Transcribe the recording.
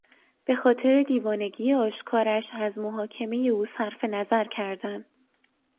به خاطر دیوانگی آشکارش از محاکمهی او صرفنظر کردند.